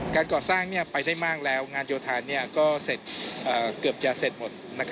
การก่อสร้างไปได้มากแล้วงานโยธาก็เสร็จเกือบจะเสร็จหมด